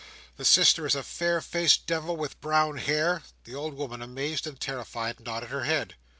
"The sister is a fair faced Devil, with brown hair?" The old woman, amazed and terrified, nodded her head.